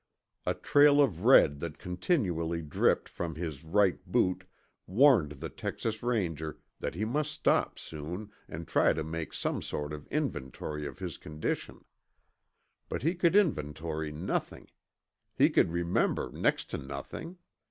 A trail of red that continually dripped from his right boot warned the Texas Ranger that he must stop soon and try to make some sort of inventory of his condition. But he could inventory nothing. He could remember next to nothing.